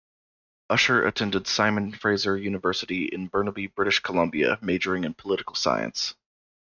Usher attended Simon Fraser University in Burnaby, British Columbia, majoring in political science.